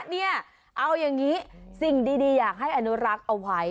เนี่ยเอาอย่างนี้สิ่งดีอยากให้อนุรักษ์เอาไว้